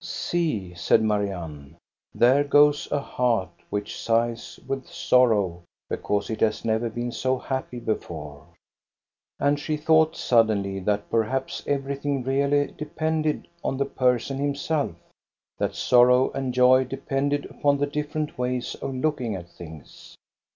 " See," said Marianne, " there goes a heart which sighs with sorrow, because it has never been so happy before." And she thought suddenly that perhaps everything really depended on the person himself, that sorrow and joy depended upon the different ways of looking at things.